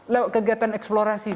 lewat kegiatan eksplorasi